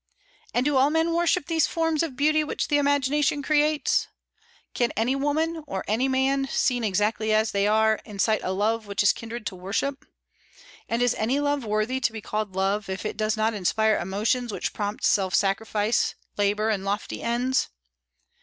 And do all men worship these forms of beauty which the imagination creates? Can any woman, or any man, seen exactly as they are, incite a love which is kindred to worship? And is any love worthy to be called love, if it does not inspire emotions which prompt to self sacrifice, labor, and lofty ends?